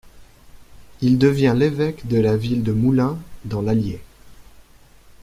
Il devient l'évêque de la ville de Moulins, dans l'allier.